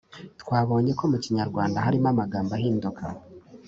Twabonye ko mu Kinyarwanda harimo amagambo ahinduka